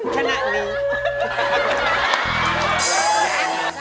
ขนาดนี้